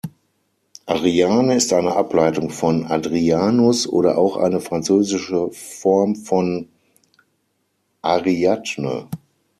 Ariane ist eine Ableitung von Adrianus oder auch eine französische Form von Ariadne.